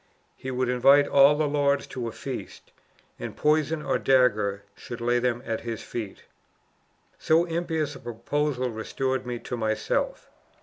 He would invite all the lords to a feast; and poison, or dagger, should lay them at his feet. "So impious a proposal restored me to myself.